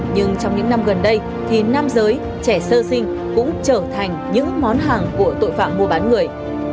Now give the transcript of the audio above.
nhưng trong những năm gần đây thì nam giới trẻ sơ sinh cũng trở thành những món hàng của tội phạm mua bán người